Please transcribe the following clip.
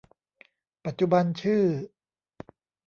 ปัจจุบันชื่อ